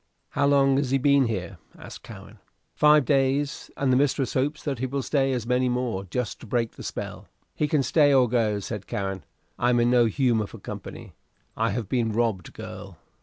"How long has he been here?" asked Cowen. "Five days, and the mistress hopes he will stay as many more, just to break the spell." "He can stay or go," said Cowen. "I am in no humor for company. I have been robbed, girl."